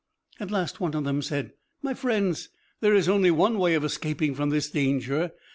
At last one of them said, "My friends, there is only one way of escaping from this danger.